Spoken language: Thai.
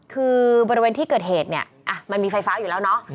คือบริเวณที่เกิดเหตุเนี่ยมันมีไฟฟ้าอยู่แล้วเนาะ